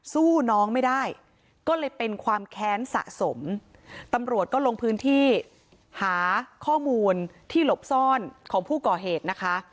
สู้น้องไม่ได้ก็เลยเป็นความแค้นสะสมตำรวจก็ลงพื้นที่หาข้อมูลที่หลบซ่อนของผู้ก่อเหตุนะคะ